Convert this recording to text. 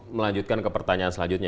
melanjutkan ke pertanyaan selanjutnya